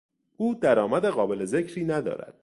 او درآمد قابل ذکری ندارد.